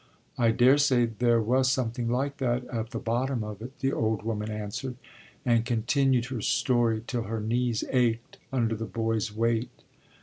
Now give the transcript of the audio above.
I daresay there was something like that at the bottom of it, the old woman answered, and continued her story till her knees ached under the boy's weight.